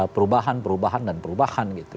perubahan perubahan dan perubahan gitu